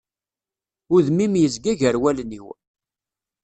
Udem-im yezga gar wallen-iw.